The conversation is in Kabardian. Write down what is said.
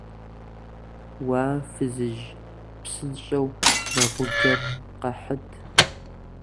- Уа, фызыжь, псынщӀэу нэгъуджэр къэхьыт!